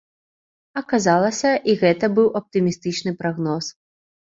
Аказалася, і гэта быў аптымістычны прагноз.